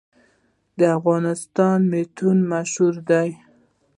د افغانستان منتو مشهور دي